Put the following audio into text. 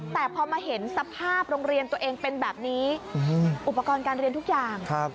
แต่พอมาเห็นสภาพโรงเรียนตัวเองเป็นแบบนี้อุปกรณ์การเรียนทุกอย่าง